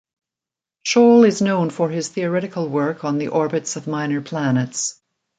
Scholl is known for his theoretical work on the orbits of minor planets.